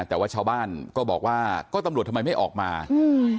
แต่ว่าชาวบ้านก็บอกว่าก็ตำรวจทำไมไม่ออกมาอืม